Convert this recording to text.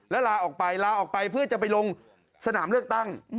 และลาออกไปเพื่อจะไปลงสนามเลือกตั้ง